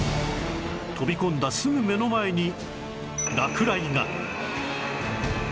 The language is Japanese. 飛び込んだすぐ目の前に落雷が